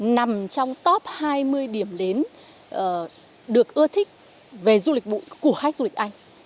nằm trong top hai mươi điểm đến được ưa thích về du lịch bụi của khách du lịch anh